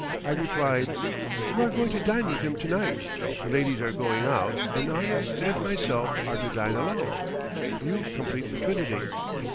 I replied: "You are going to dine with him to night. The ladies are going out and Arnold and myself are to dine alone; you complete the trinity."